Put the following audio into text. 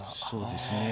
そうですね。